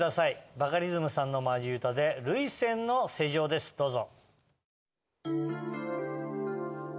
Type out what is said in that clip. バカリズムさんのマジ歌で『涙腺の施錠』ですどうぞ。